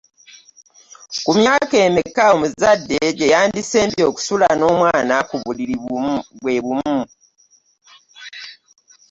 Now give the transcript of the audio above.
Ku myaka emeka omuzade gyeyandisembye okusula n'omwana ku buliri bwebumu?